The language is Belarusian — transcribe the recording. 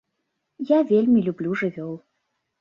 Я вельмі люблю жывёл.